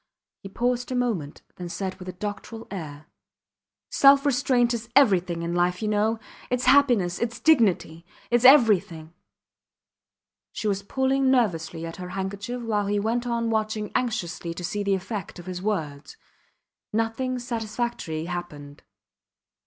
. He paused a moment, then said with a doctoral air: Self restraint is everything in life, you know. Its happiness, its dignity ... its everything. She was pulling nervously at her handkerchief while he went on watching anxiously to see the effect of his words. Nothing satisfactory happened.